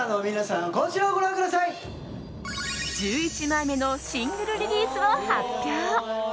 １１枚目のシングルリリースを発表。